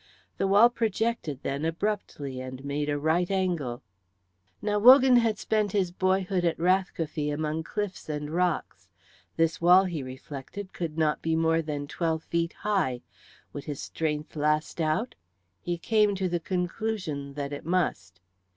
The wall projected then abruptly and made a right angle. Now Wogan had spent his boyhood at Rathcoffey among cliffs and rocks. This wall, he reflected, could not be more than twelve feet high. Would his strength last out? He came to the conclusion that it must.